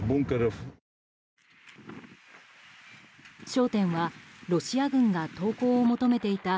焦点はロシア軍が、投降を求めていた